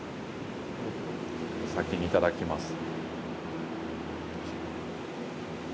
お先にいただきます。